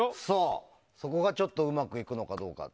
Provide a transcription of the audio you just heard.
そこがちょっとうまくいくのかどうかと。